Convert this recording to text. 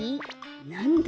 なんだ？